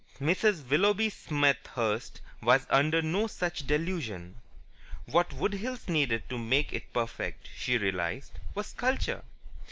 Mrs. Willoughby Smethurst was under no such delusion. What Wood Hills needed to make it perfect, she realized, was Culture.